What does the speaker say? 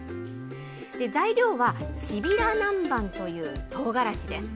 材料は芝平なんばんというとうがらしです。